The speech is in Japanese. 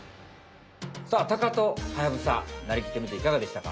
さあタカとハヤブサなりきってみていかがでしたか？